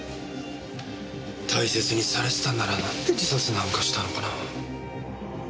大切にされてたんならなんで自殺なんかしたのかなぁ？